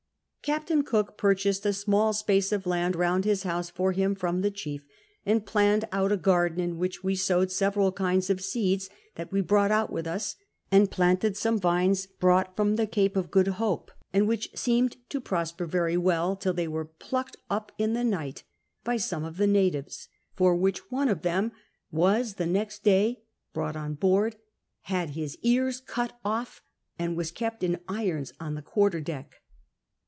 Capfciin Cook purchased a small space of land round his house for him from the chief, and idtinned out a garden, in which wo sowed several kinds of seeds that we brought out with us, and planted some vines bi*ought from the fjai)e of Cood IToiai, which siiemed to prosjier very W(dl till they were iduckcd uj) in the night by some of the natives, for which one of them was t/ie next ihiy broiiglit on l)o^ml, had his ('am cut olf, ami was kei>t in irons on the rjiiarteiwleck.